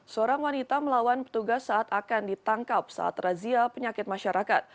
seorang wanita melawan petugas saat akan ditangkap saat razia penyakit masyarakat